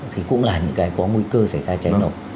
thì cũng là những cái có nguy cơ xảy ra cháy nổ